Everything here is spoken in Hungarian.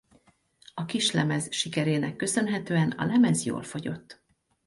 A kislemez sikerének köszönhetően a lemez jól fogyott.